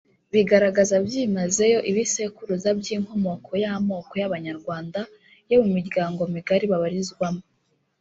bigaragaza byimazeyo Ibisekuruza by’inkomoko y’amoko y’Abanyarwanda yo mu miryango migari babarizwamo